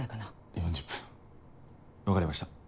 ４０分分かりました。